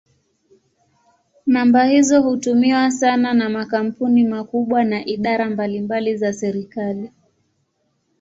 Namba hizo hutumiwa sana na makampuni makubwa na idara mbalimbali za serikali.